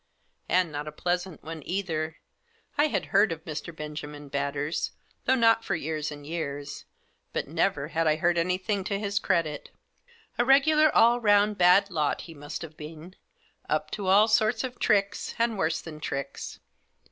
And not a pleasant one either. I had heard of Mn Benjamin Batters, though not for years and years, but never had I heard anything to his credit A regular all round bad lot he must have been, up to all sorts of tricks, and worse than tricks.